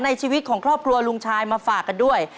ในชีวิตของครอบครัวลุงชายมาฝากกันด้วย